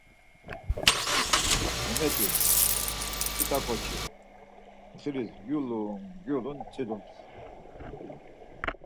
Memet̆i ç̌ut̆a ǩoçi, txiriz yulun gulun tzilums.